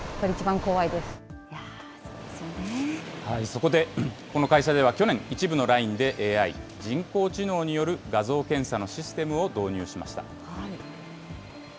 そこで、この会社では去年、一部のラインでＡＩ・人工知能による画像検査のシステムを導入しました。